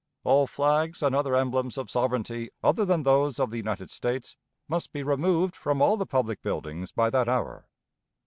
All flags and other emblems of sovereignty other than those of the United States must be removed from all the public buildings by that hour."